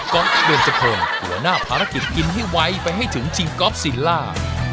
ก๊อปเบือนเจพงหัวหน้าภารกิจกินให้ไวไปให้ถึงทีมก๊อปศิลล่า